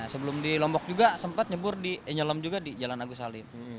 sebelum di lombok juga sempet nyelom juga di jalan agus salim